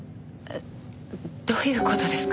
どういう事ですか？